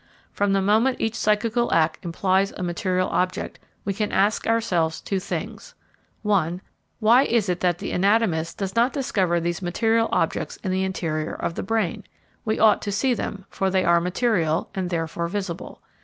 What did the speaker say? From the moment each psychical act implies a material object, we can ask ourselves two things: (1) Why is it that the anatomist does not discover these material objects in the interior of the brain? We ought to see them, for they are material, and therefore visible.